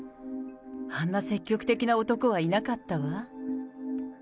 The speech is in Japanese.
あんな積極的な男はいなかったわ。